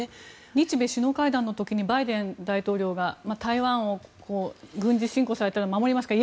日米首脳会談の時にバイデン大統領が台湾を軍事侵攻されたら守りますか？